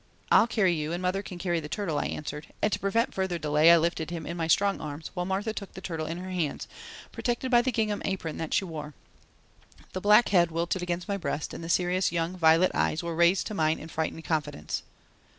"I'll carry you and mother can carry the turtle," I answered, and to prevent further delay I lifted him in my strong arms while Martha took the turtle in her hands, protected by the gingham apron that she wore. The black head wilted against my breast and the serious young violet eyes were raised to mine in frightened confidence.